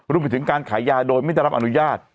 รวมไปถึงการขายยาโดยไม่ได้รับอนุญาต